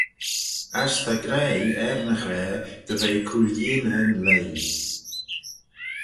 As ta graih er ny ghra dy ve cooilleeney'n leigh.